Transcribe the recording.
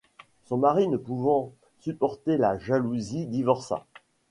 Son mari ne pouvant supporter la jalousie divorça.